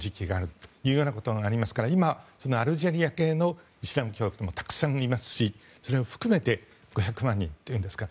ということがありますから今、アルジェリア系のイスラム教徒もたくさんいますしそれを含めて５００万人というんですか。